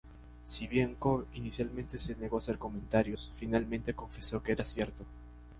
Si bien Koh inicialmente se negó a hacer comentarios, finalmente confesó que era cierto.